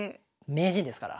名人ですから。